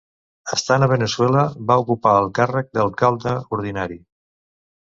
Estant a Veneçuela va ocupar el càrrec d'alcalde ordinari.